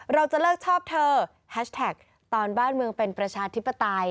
เราจะเลิกชอบเธอแฮชแท็กตอนบ้านเมืองเป็นประชาธิปไตย